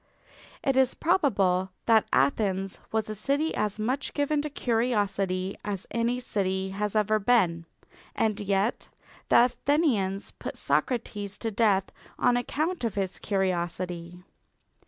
It is probable that Athens was a city as much given to curiosity as any city has ever been, and yet the Athenians put Socrates to death on account of his curiosity.